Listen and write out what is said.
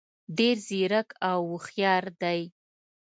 ډېر ځیرک او هوښیار دي.